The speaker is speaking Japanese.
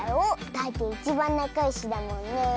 だっていちばんなかよしだもんねえ。